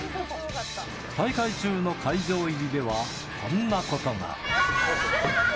大会中の会場入りでは、こんなことが。